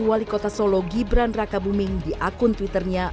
wali kota solo gibran raka buming di akun twitternya